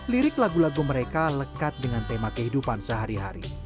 lirik lagu lagu mereka lekat dengan tema kehidupan sehari hari